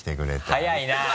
早いな！